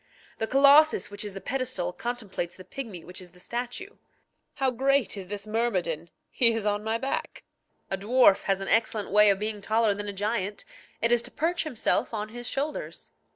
The colossus which is the pedestal contemplates the pigmy which is the statue. How great is this myrmidon! he is on my back. A dwarf has an excellent way of being taller than a giant: it is to perch himself on his shoulders.